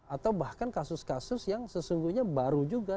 atau bahkan kasus kasus yang sesungguhnya baru juga